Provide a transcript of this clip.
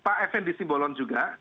pak fn disimbolon juga